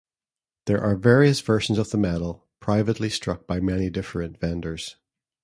There are various versions of the medal privately struck by many different vendors.